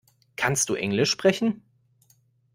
Kannst du englisch sprechen?